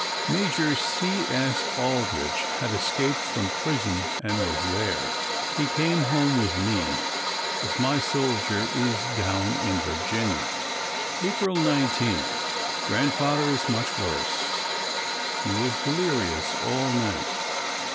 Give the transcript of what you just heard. Major C. S. Aldrich had escaped from prison and was there. He came home with me, as my soldier is down in Virginia. April 19. Grandfather is much worse. He was delirious all night.